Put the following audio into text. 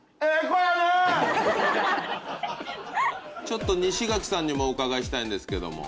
ちょっと西垣さんにもお伺いしたいんですけども。